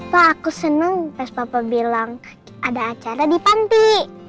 pak aku senang pas papa bilang ada acara di panti